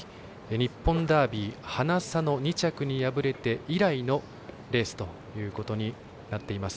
日本ダービーハナ差の２着に敗れて以来のレースということになっています。